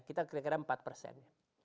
kita kira kira empat persen